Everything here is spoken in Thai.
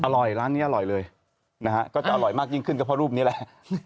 ร้านนี้อร่อยเลยนะฮะก็จะอร่อยมากยิ่งขึ้นก็เพราะรูปนี้แหละ